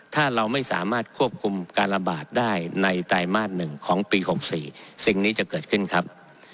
ถ้าเราไม่สามารถควบคุมการระบาดได้ในไตรมาส๑ของปี๖๔สิ่งนี้จะเกิดขึ้นครับ